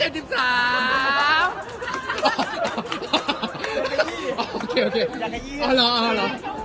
อย่างกับยื่น